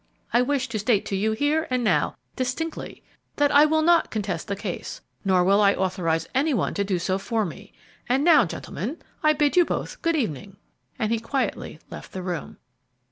I wish to state to you here and now, distinctly, that I will not contest the case, nor will I authorize any one to do so for me; and now, gentlemen, I bid you both good evening!" and he quietly left the room.